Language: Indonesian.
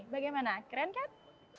bagaimana keren kan